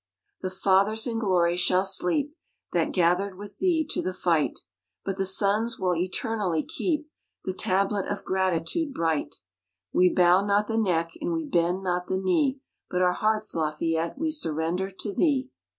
_The Fathers in glory shall sleep, That gathered with thee to the fight, But the Sons will eternally keep The Tablet of Gratitude bright. We bow not the neck, and we bend not the knee, But our hearts, Lafayette, we surrender to thee.